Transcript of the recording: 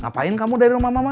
ngapain kamu dari rumah mama